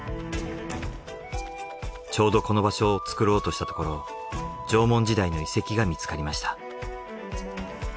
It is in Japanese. ちょうどこの場所を作ろうとしたところ縄文時代の遺跡が見つかりました。